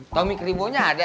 tommy keribonya ada